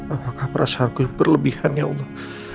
apakah perasaanku berlebihan ya allah